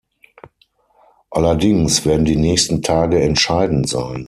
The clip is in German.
Allerdings werden die nächsten Tage entscheidend sein.